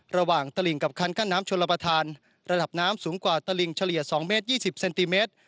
ตลิงกับคันกั้นน้ำชลประธานระดับน้ำสูงกว่าตลิงเฉลี่ย๒เมตร๒๐เซนติเมตร